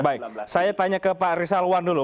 baik saya tanya ke pak rizalwan dulu